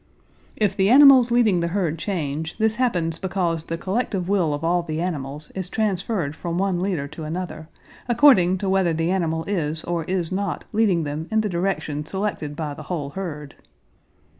"If the animals leading the herd change, this happens because the collective will of all the animals is transferred from one leader to another, according to whether the animal is or is not leading them in the direction selected by the whole herd."